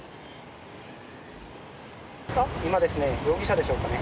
今、容疑者でしょうかね